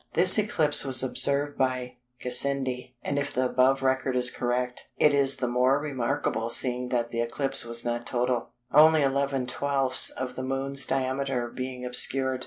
This eclipse was observed by Gassendi, and if the above record is correct, it is the more remarkable seeing that the eclipse was not total, only 11/12ths of the Moon's diameter being obscured.